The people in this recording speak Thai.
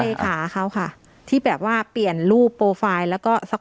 เนคสาพเขาค่ะที่แบบว่าเปลี่ยนรูปแล้วก็สักพัก